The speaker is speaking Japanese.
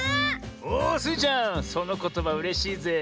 おスイちゃんそのことばうれしいぜえ。